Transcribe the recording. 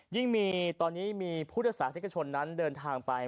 ยิ่งมีตอนนี้มีพุทธศาสนิกชนนั้นเดินทางไป